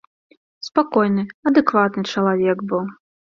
Спакойны, адэкватны чалавек быў.